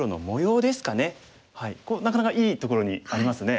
なかなかいいところにありますね。